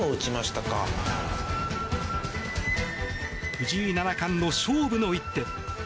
藤井七冠の勝負の一手。